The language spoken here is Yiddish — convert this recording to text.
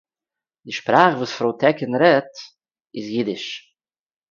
די שפּראַך וואָס פרוי טעקין רעדט איז... אידיש